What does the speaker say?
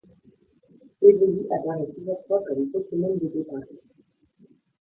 Évoli apparaît plusieurs fois comme Pokémon de départ.